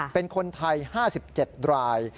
เป็นคนไทย๕๗ราย